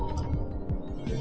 qua cái công tác